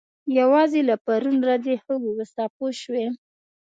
یوازې له پرون ورځې ښه واوسه پوه شوې!.